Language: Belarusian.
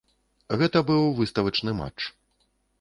Гэта быў выставачны матч.